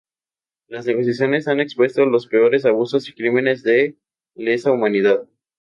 Las negociaciones han expuesto los peores abusos y crímenes de lesa humanidad.